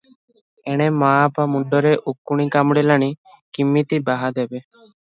ଏଣେ ମା ବାପ ମୁଣ୍ଡରେ ଉକୁଣି କାମୁଡ଼ିଲାଣି, କିମିତି ବାହା ଦେବେ ।